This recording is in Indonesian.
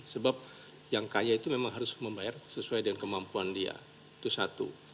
sebab yang kaya itu memang harus membayar sesuai dengan kemampuan dia itu satu